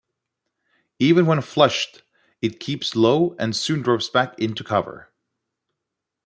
Even when flushed, it keeps low and soon drops back into cover.